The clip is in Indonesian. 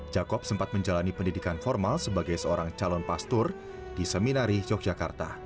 jakob sempat menjalani pendidikan formal sebagai seorang calon pastur di seminari yogyakarta